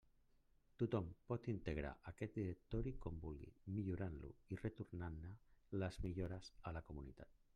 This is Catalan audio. Tothom pot integrar aquest directori com vulgui, millorar-lo, i retornar-ne les millores a la comunitat.